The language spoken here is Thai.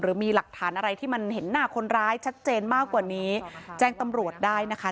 หรือมีหลักฐานอะไรที่มันเห็นหน้าคนร้ายชัดเจนมากกว่านี้แจ้งตำรวจได้นะคะ